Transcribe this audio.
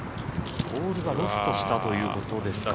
ボールがロストしたということですか。